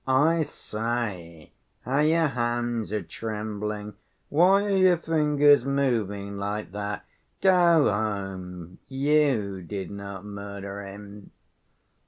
I say, how your hands are trembling! Why are your fingers moving like that? Go home, you did not murder him."